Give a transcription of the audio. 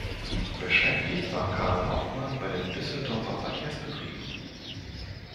Beschäftigt war Karl Hoffmann bei den Düsseldorfer Verkehrsbetrieben.